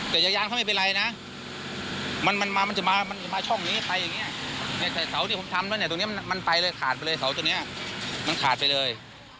แต่ยายานเขาไม่เป็นไรนะมันมามันจะมามันมาช่องนี้ไปอย่างนี้แต่เสาที่ผมทำไว้เนี่ยตรงนี้มันไปเลยขาดไปเลยเสาตัวนี้มันขาดไปเลย